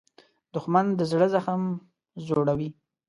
دښمن د زړه زخم زوړوي